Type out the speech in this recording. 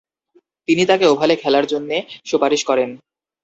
তিনি তাকে ওভালে খেলার জন্যে সুপারিশ করেন।